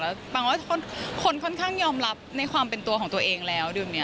แล้วบางคนค่อนข้างยอมรับในความเป็นตัวของตัวเองแล้ว